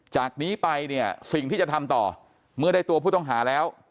จากนี้ไปเนี่ยสิ่งที่จะทำต่อเมื่อได้ตัวผู้ต้องหาแล้ว